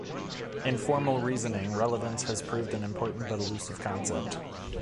In formal reasoning, relevance has proved an important but elusive concept.